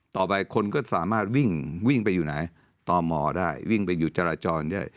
ต่อไปคนก็สามารถวิ่งวิ่งไปอยู่ไหนต่อมอได้วิ่งไปอยู่จราจรได้